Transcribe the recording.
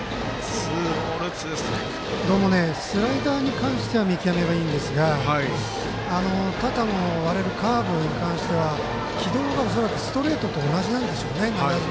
でもスライダーに関しては見極めがいいんですが縦の割れるカーブに関しては軌道が恐らくストレートと同じなんでしょうね。